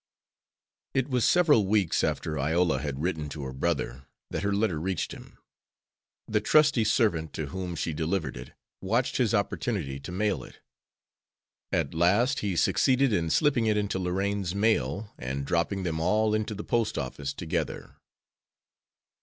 It was several weeks after Iola had written to her brother that her letter reached him. The trusty servant to whom she delivered it watched his opportunity to mail it. At last he succeeded in slipping it into Lorraine's mail and dropping them all into the post office together.